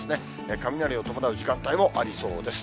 雷を伴う時間帯もありそうです。